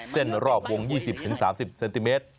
เส้นรอบวง๒๐๓๐เซนติเมตร